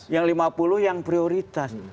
yang lima puluh yang prioritas